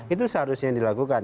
itu seharusnya dilakukan